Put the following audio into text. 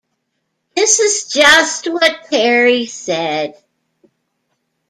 This is just what Perry said.